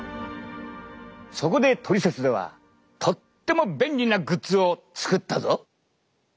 そこで「トリセツ」ではとっても便利なグッズを作ったぞ。